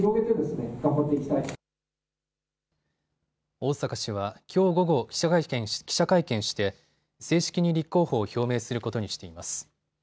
逢坂氏はきょう午後、記者会見して正式に立候補を表明することにしています。